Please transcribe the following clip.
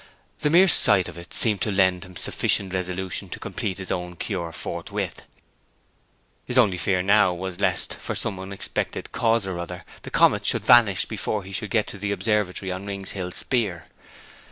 The mere sight of it seemed to lend him sufficient resolution to complete his own cure forthwith. His only fear now was lest, from some unexpected cause or other, the comet would vanish before he could get to the observatory on Rings Hill Speer.